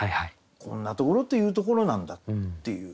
「こんなところと云ふところ」なんだっていう。